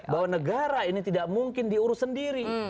bahwa negara ini tidak mungkin diurus sendiri